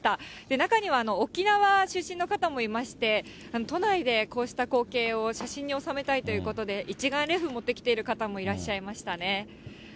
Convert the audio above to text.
中には沖縄出身の方もいまして、都内でこうした光景を写真に収めたいということで、一眼レフ持ってきている方もいらっしゃいましたね。